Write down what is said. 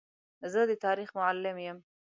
زه د تاریخ معلم یم.